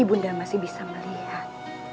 ibu undang masih bisa melihat